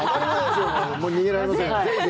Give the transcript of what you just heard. もう逃げられませんよ。